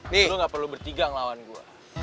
lo gak perlu bertiga ngelawan gue